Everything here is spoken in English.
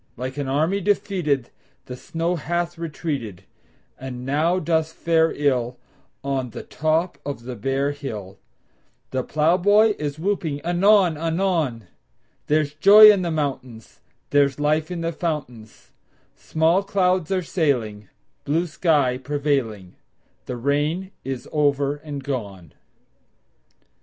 Like an army defeated The snow hath retreated, And now doth fare ill On the top of the bare hill; The plowboy is whooping anon anon: There's joy in the mountains; There's life in the fountains; Small clouds are sailing, Blue sky prevailing; The rain is over and gone!